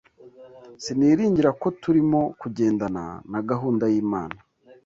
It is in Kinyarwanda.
Siniringira ko turimo kugendana na gahunda y’Imana